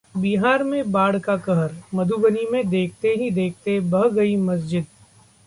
बिहार में बाढ़ का कहर, मधुबनी में देखते ही देखते बह गई मस्जिद